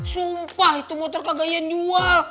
sumpah itu motor kagak iyan jual